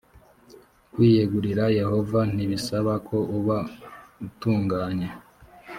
kwiyegurira yehova ntibisaba ko uba utunganye